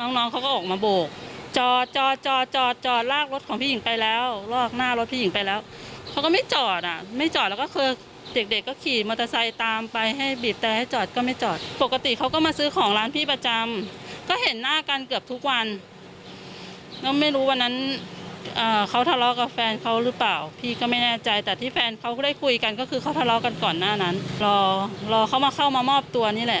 น้องน้องเขาก็ออกมาโบกจอดจอดจอดจอดจอดลากรถของพี่หญิงไปแล้วลอกหน้ารถพี่หญิงไปแล้วเขาก็ไม่จอดอ่ะไม่จอดแล้วก็คือเด็กเด็กก็ขี่มอเตอร์ไซต์ตามไปให้บีบแตรให้จอดก็ไม่จอดปกติเขาก็มาซื้อของร้านพี่ประจำก็เห็นหน้ากันเกือบทุกวันแล้วไม่รู้วันนั้นอ่าเขาทะเลาะกับแฟนเขาหรือเปล่าพี่ก็ไม่แน่ใ